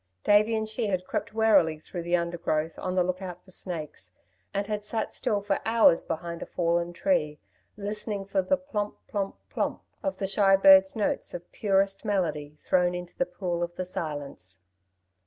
Davey and she had crept warily through the undergrowth, on the look out for snakes, and had sat still for hours behind a fallen tree, listening for the plomp, plomp, plomp of the shy birds' notes of purest melody thrown into the pool of the silence.